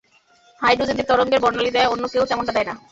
Hydrogen যে তরঙ্গের বর্ণালি দেয়, অন্য কেউ তেমনটা দেয় না।